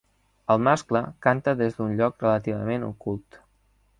El mascle canta des d'un lloc relativament ocult.